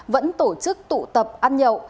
vẫn tổ chức tụ tập ăn nhậu